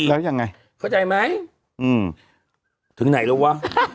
แล้วยังไงเข้าใจไหมถึงไหนแล้ววะ